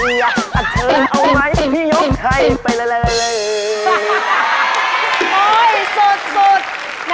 แต่เธอเอาไหมพี่ยกให้ไปเลยเลยเลย